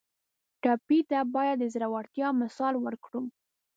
ټپي ته باید د زړورتیا مثال ورکړو.